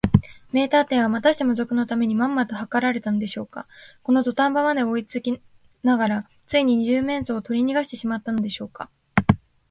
名探偵は、またしても賊のためにまんまとはかられたのでしょうか。このどたん場まで追いつめながら、ついに二十面相をとりにがしてしまったのでしょうか。